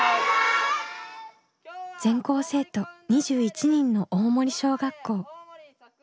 全校生徒２１人の大森小学校。